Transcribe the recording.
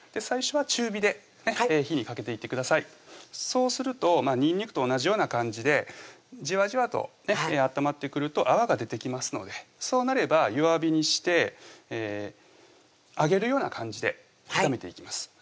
最初は中火で火にかけていってくださいそうするとにんにくと同じような感じでじわじわと温まってくると泡が出てきますのでそうなれば弱火にして揚げるような感じで炒めていきます